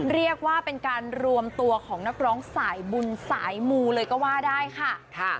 เรียกว่าเป็นการรวมตัวของนักร้องสายบุญสายมูเลยก็ว่าได้ค่ะ